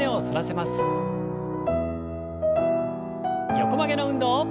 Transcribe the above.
横曲げの運動。